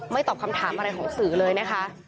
ตอบคำถามอะไรของสื่อเลยนะคะ